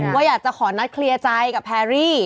ว่าอยากจะขอนัดเคลียร์ใจกับแพรรี่